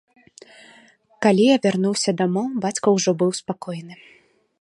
Калі я вярнуўся дамоў, бацька ўжо быў спакойны.